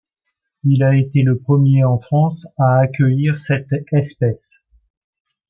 Il a été le premier en France à accueillir cette espèce.